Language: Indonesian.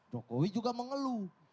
jokowi juga mengeluh